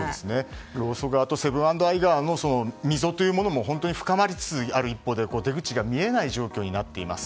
労使側とセブン＆アイ側とその溝というのも深まりつつある一方で出口が見えない状況になっています。